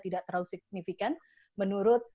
tidak terlalu signifikan menurut